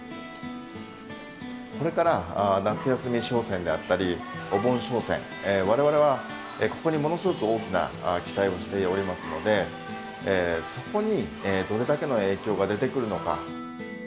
これから夏休み商戦であったり、お盆商戦、われわれはここにものすごく大きな期待をしておりますので、そこにどれだけの影響が出てくるのか。